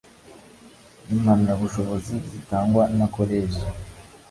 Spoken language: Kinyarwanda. impamyabushobozi zitangwa na Koleji